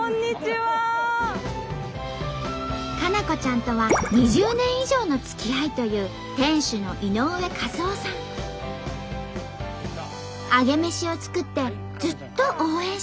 佳菜子ちゃんとは２０年以上のつきあいという店主のアゲメシを作ってずっと応援してきました。